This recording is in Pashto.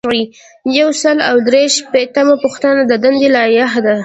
یو سل او درې شپیتمه پوښتنه د دندو لایحه ده.